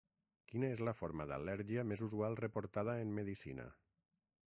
Quina és la forma d'al·lèrgia més usual reportada en medicina?